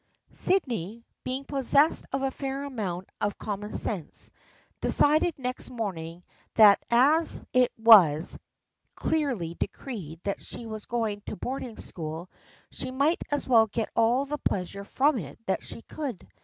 Sydney, being possessed of a fair amount of com mon sense, decided next morning that as it was clearly decreed that she was to go to boarding school she might as well get all the pleasure from it that she could.